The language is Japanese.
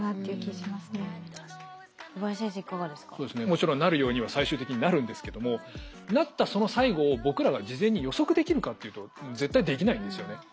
もちろんなるようには最終的になるんですけどもなったその最後を僕らが事前に予測できるかっていうと絶対できないんですよね。